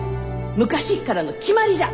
昔っからの決まりじゃ！